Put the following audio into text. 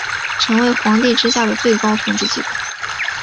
成为皇帝之下的最高统治集团。